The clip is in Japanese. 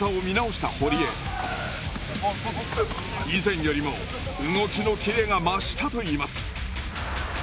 以前よりも動きのキレが増したといいます。